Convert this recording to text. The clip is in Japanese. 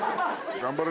頑張れ！